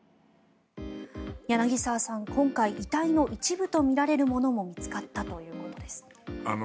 柳澤さん、今回遺体の一部とみられるものも見つかったということです。